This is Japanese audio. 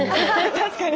確かに。